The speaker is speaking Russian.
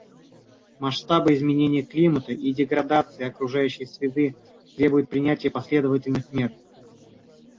Масштабы изменения климата и деградации окружающей среды требуют принятия последовательных мер.